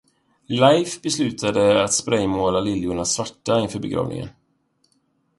Leif beslutade att spraymåla liljorna svarta inför begravningen.